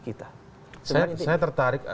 kita saya tertarik